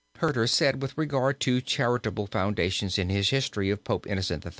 Hurter said with regard to charitable foundations in his history of Pope Innocent III.